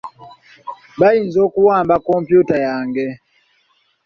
Bayinza okuwamba kompyuta yange.